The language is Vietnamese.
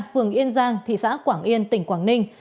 phường yên giang thị xã quảng yên tỉnh quảng ninh